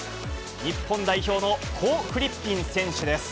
日本代表のコー・フリッピン選手です。